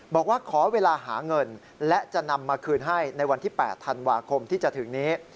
บอกว่าขอเวลาหาเงินและจะนำมาคืนให้ในวันที่๘ธันวาคมที่จะถึงนี้